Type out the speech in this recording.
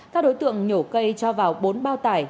các đối tượng nhổ cây cho vào bốn bao tải